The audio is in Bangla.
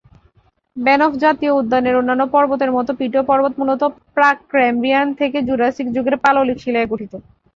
ব্যানফ জাতীয় উদ্যানের অন্যান্য পর্বতের মত পিটো পর্বত মূলত প্রাক-ক্যাম্ব্রিয়ান থেকে জুরাসিক যুগের পাললিক শিলায় গঠিত।